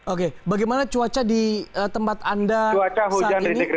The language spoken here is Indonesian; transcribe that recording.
oke bagaimana cuaca di tempat anda saat ini